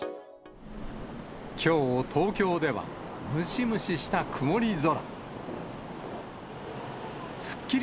きょう、東京では、ムシムシした曇り空。